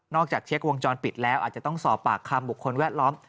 จากเช็ควงจรปิดแล้วอาจจะต้องสอบปากคำบุคคลแวดล้อม